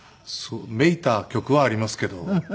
めいた曲はありますけど。